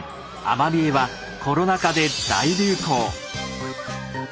アマビエはコロナ禍で大流行。